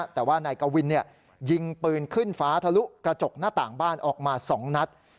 แต่ว่านายกวินยิงปืนขึ้นฟ้าทะลุกระจกหน้าต่างบ้านออกมา๒นัด